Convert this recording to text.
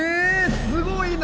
すごいな！